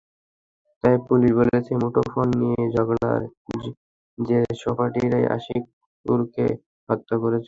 তবে পুলিশ বলছে, মুঠোফোন নিয়ে ঝগড়ার জেরে সহপাঠীরাই আশিকুরকে হত্যা করেছে।